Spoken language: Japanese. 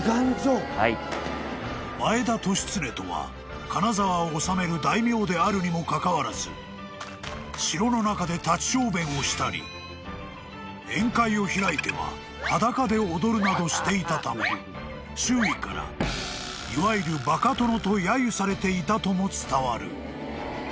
［前田利常とは金沢を治める大名であるにもかかわらず城の中で立ち小便をしたり宴会を開いては裸で踊るなどしていたため周囲からいわゆるバカ殿とやゆされていたとも伝わる］